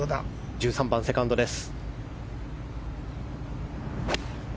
１３番、セカンドです。